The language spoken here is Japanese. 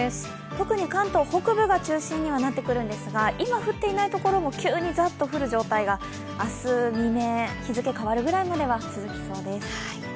特に関東北部が中心になってくるんですが今降っていないところも急にザッと降る状態が明日未明、日付変わるぐらいまでは続きそうです。